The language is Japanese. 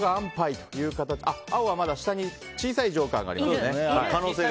青はまだ小さいジョーカーがありますね。